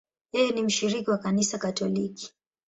Yeye ni mshiriki wa Kanisa Katoliki.